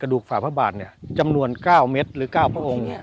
กระดูกฝ่าพระบาทเนี่ยจำนวนเก้าเม็ดหรือก้าวพระองค์